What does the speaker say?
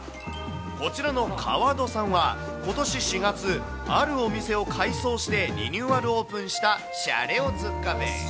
こちらのかわどさんは、ことし４月、あるお店を改装してリニューアルオープンしたシャレオツカフェ。